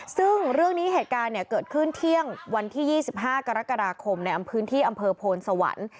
ซึ่งเรื่องนี้เหตุการณ์เกิดขึ้นเที่ยงวันที่๒๕กรกฎาคมในพื้นที่อำเภอโพนสวรรค์